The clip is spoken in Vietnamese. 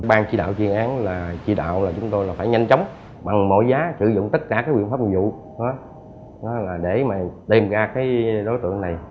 ban chỉ đạo chuyên án chỉ đạo là chúng tôi phải nhanh chóng bằng mọi giá sử dụng tất cả các quyền pháp nghiệp vụ để đem ra đối tượng này